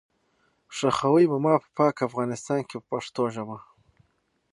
ښخوئ به ما په پاک افغانستان کې په پښتو ژبه.